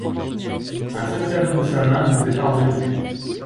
Un seul tableau de sa main nous est parvenu.